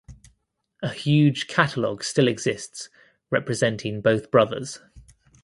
A huge catalog still exists representing both brothers.